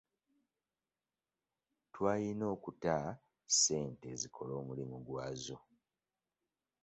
Twayina okuta ssente zikole omulimu gwazo.